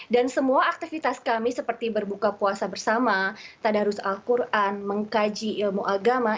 dan semua aktivitas kami seperti berbuka puasa bersama tadarus al quran mengkaji ilmu agama